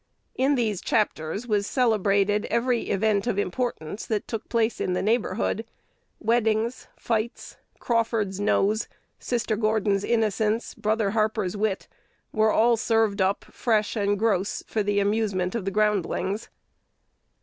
In these "chapters" was celebrated every event of importance that took place in the neighborhood: weddings, fights, Crawford's nose, Sister Gordon's innocence, Brother Harper's wit, were all served up, fresh and gross, for the amusement of the groundlings.